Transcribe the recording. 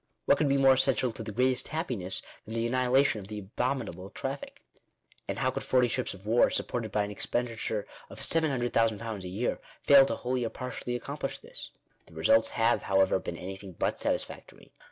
What could be more essential to the "greatest happiness" than the annihilation of the abominable traffic ? And how could forty ships of war, supported by an expenditure of £700,000 a year, fail to wholly or partially accomplish this ? The results have, however, been anything but satisfactory.